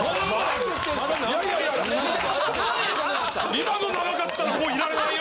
今の長かったらもういらないよ。